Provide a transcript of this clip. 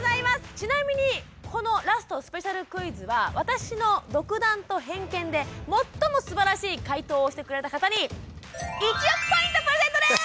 ちなみにこのラストスペシャルクイズは私の独断と偏見で最もすばらしい解答をしてくれた方に１億ポイントプレゼントです！